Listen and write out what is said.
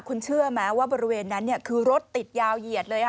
คุณเชื่อไหมว่าบริเวณนั้นคือรถติดยาวเหยียดเลยค่ะ